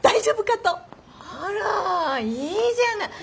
あらいいじゃない。